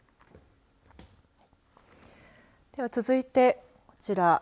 では、続いてこちら。